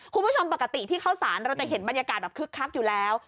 คุณผู้ชมปกติที่เข้าสารเราจะเห็นบรรยากาศแบบคึกคักอยู่แล้ว